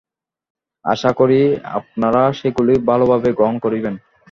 আশা করি, আপনারা সেগুলি ভালভাবেই গ্রহণ করিবেন।